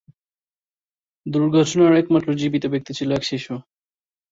দুর্ঘটনার একমাত্র জীবিত ব্যক্তি ছিল এক শিশু।